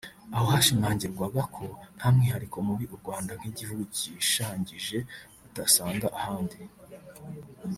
aho hashimangirwaga ko nta mwihariko mubi u Rwanda nk’igihugu kishangije utasanga ahandi